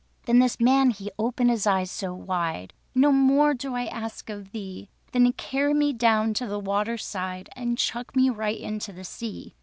Then this man he opened his eyes so wide: "No more do I ask of thee Than to carry me down to the water's side, And chuck me right into the sea."